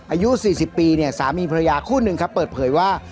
อายุ๔๐ปีเนี่ยสามีภรรยาคู่หนึ่งครับเปิดเผยว่า